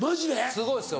すごいですよ